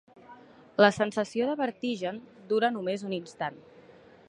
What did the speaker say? La sensació de vertigen dura només un instant.